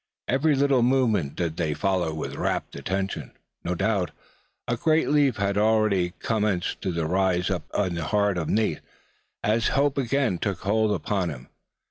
Every little movement did they follow with wrapt attention. No doubt, a great relief had already commenced to rise up in the heart of Nate, as hope again took hold upon him.